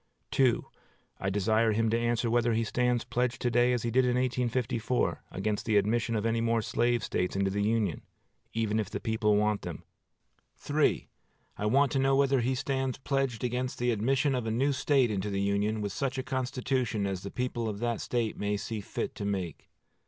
I desire him to answer whether he stands pledged to day, as he did in 1854, against the admission of any more slave States into the Union, even if the people want them. I want to know whether he stands pledged against the admission of a new State into the Union with such a constitution as the people of that State may see fit to make.